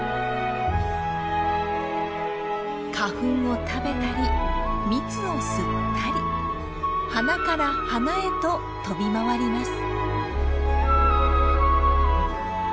花粉を食べたり蜜を吸ったり花から花へと飛び回ります。